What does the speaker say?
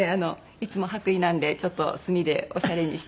いつも白衣なんでちょっと墨でオシャレにしてみました。